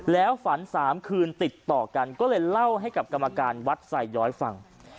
แล้วฝัน๓คืนติดต่อกันก็เลยเล่าให้กับกรรมการวัดไซย้อยฟัง